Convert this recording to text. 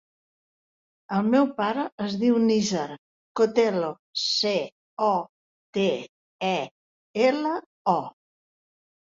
El meu pare es diu Nizar Cotelo: ce, o, te, e, ela, o.